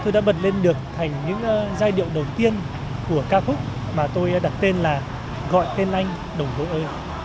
tôi đã bật lên được thành những giai điệu đầu tiên của ca khúc mà tôi đặt tên là gọi tiên anh đồng đội ơi